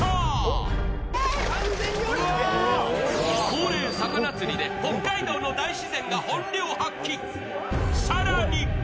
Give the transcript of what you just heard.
恒例魚釣りで北海道の大自然が本領発揮。